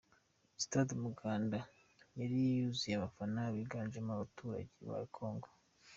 Stade Umuganda yari yuzuye abafana biganjemo abaturage ba Congo.